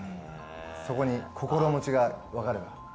そこに心持ちが分かれば。